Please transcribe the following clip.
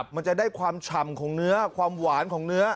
มันจะได้ความฉ่ำของเนื้อความหวานของเนื้อ